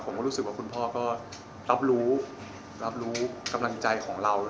รู้สึกว่าคุณพ่อก็รับรู้รับรู้กำลังใจของเรา